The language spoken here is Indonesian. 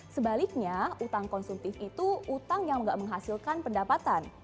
sebaliknya utang konsumtif itu utang yang nggak menghasilkan pendapatan